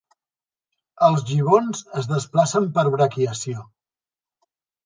Els gibons es desplacen per braquiació.